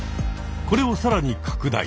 これをさらに拡大！